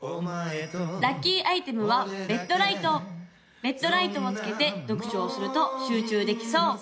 ・ラッキーアイテムはベッドライトベッドライトをつけて読書をすると集中できそう・